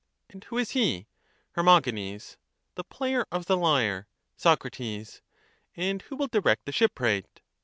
And who is he? Her. The player of the lyre. Soc. And who will direct the shipwright?